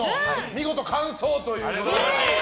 見事完走ということで。